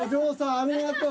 ありがとう。